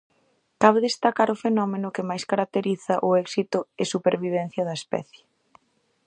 Cabe destacar o fenómeno que máis caracteriza o éxito e supervivencia da especie.